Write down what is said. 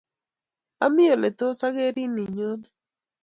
Ami ole tos akerin inyone